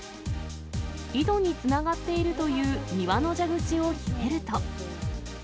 井戸につながっているという庭の蛇口をひねると。